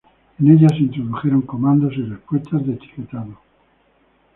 En ella se introdujeron comandos y respuestas de etiquetado.